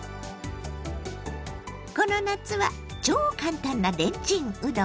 この夏は超簡単なレンチンうどん。